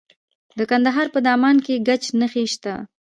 د کندهار په دامان کې د ګچ نښې شته.